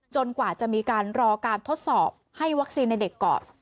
กว่าจะมีการรอการทดสอบให้วัคซีนในเด็กก่อน